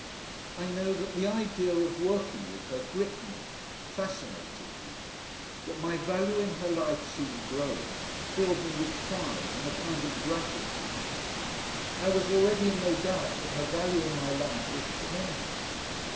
I know that the idea of working with her gripped me, fascinated me. That my value in her life seemed growing filled me with pride and a kind of gratitude. I was already in no doubt that her value in my life was tremendous.